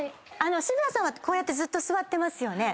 渋谷さんはこうやって座ってますよね。